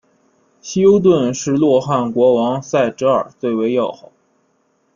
希优顿是洛汗国王塞哲尔最为要好。